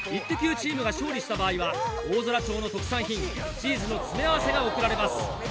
チームが勝利した場合は大空町の特産品チーズの詰め合わせが贈られます。